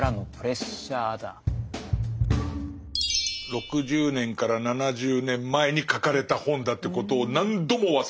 ６０年から７０年前に書かれた本だってことを何度も忘れますね。